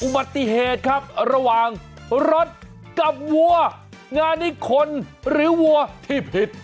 อุบัติเหตุครับระหว่างรถกับวัวงานนี้คนหรือวัวที่ผิด